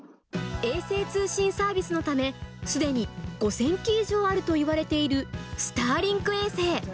衛星通信サービスのため、すでに５０００基以上あるといわれている、スターリンク衛星。